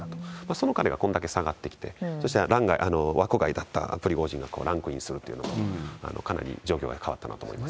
その彼がこれだけ下がってきて、そして欄外、枠外だったプリゴジンがランクインするというのも、かなり状況が変わったなと思います。